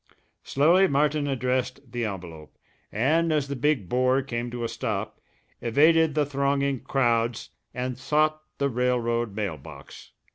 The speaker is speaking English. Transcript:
Slowly Martin addressed the envelope, and as the big bore came to a stop, evaded the thronging crowds and sought the railroad mail box.